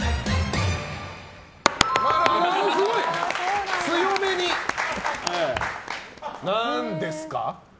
すごい、強めに○。何ですか？